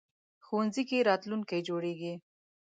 ښوونځی کې راتلونکی جوړېږي